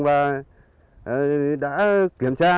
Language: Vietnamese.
và đã kiểm tra